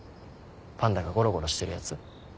パンダがゴロゴロしてるやつ。